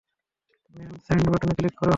Ma'am, send বাটনে click করুন।